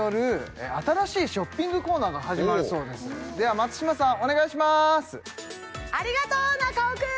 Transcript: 松嶋さんお願いします